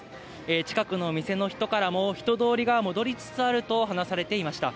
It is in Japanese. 近くの店の人からも、人通りが戻りつつあると話されていました。